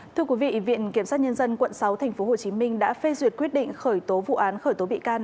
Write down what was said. thưa quý vị viện kiểm sát nhân dân quận sáu tp hcm đã phê duyệt quyết định khởi tố vụ án khởi tố bị can